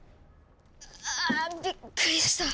あぁびっくりした！